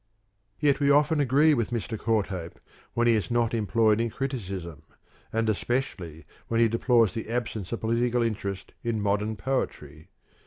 Yet we often agree with Mr. Courthope when he is not employed in criticism, and especially when he deplores the absence of political interest in modern poetry.